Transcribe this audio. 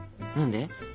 何で？